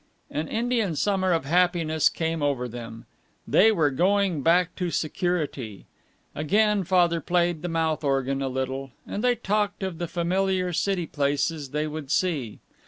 An Indian summer of happiness came over them. They were going back to security. Again Father played the mouth organ a little, and they talked of the familiar city places they would see.